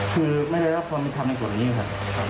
คือไม่ได้รับความมีความในส่วนนี้ค่ะ